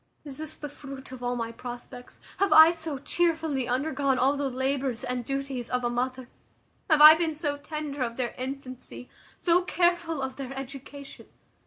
Is this the fruit of all my prospects? Have I so chearfully undergone all the labours and duties of a mother? Have I been so tender of their infancy, so careful of their education?